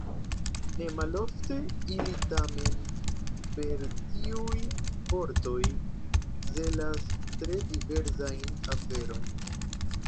Nemalofte ili tamen per tiuj vortoj celas tre diversajn aferojn.